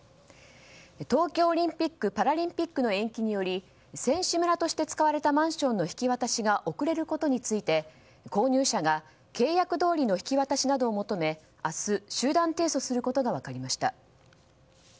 東京オリンピック・パラリンピックの延期により選手村として使われたマンションの引き渡しが遅れることについて、購入者が契約どおりの引き渡しなどを求め明日、集団提訴することが分かりました。